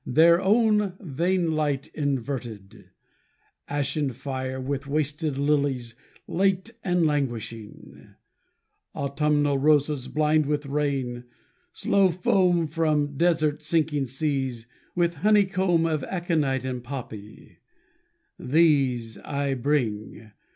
Their own vain li^t inverted; ashen fire, With wasted lilies, late and languishing; Autumnal roses blind with rain; slow foam From desert^sinking seas, with honeycomb Of aconite and poppy— these I bring.